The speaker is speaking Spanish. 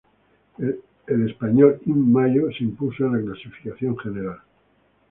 El español Iban Mayo se impuso en la clasificación general.